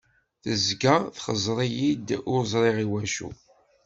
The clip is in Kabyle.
Tezga txeẓẓer-iyi-d, ur ẓriɣ iwacu!